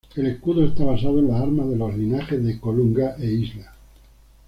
El escudo está basado en las armas de los linajes de Colunga e Isla.